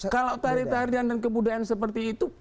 kalau tarian tarian dan kebudayaan seperti itu